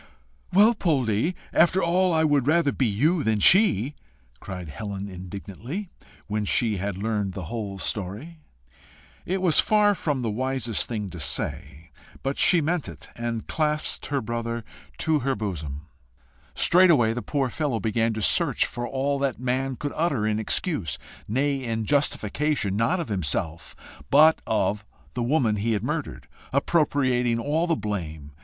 "Well, Poldie, after all I would rather be you than she!" cried Helen indignantly, when she had learned the whole story. It was far from the wisest thing to say, but she meant it, and clasped her brother to her bosom. Straightway the poor fellow began to search for all that man could utter in excuse, nay in justification, not of himself, but of the woman he had murdered, appropriating all the blame.